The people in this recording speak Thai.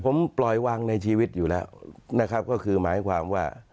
ผมปล่อยวางในชีวิตอยู่แล้วนะครับก็คือหมายความว่า